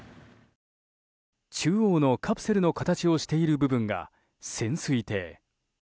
中央のカプセルの形をしている部分が潜水艇。